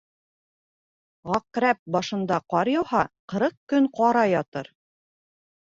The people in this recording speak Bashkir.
Ғаҡрәп башында ҡар яуһа, ҡырҡ көн ҡара ятыр.